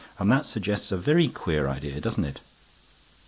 And that suggests a very queer idea, doesn't it?"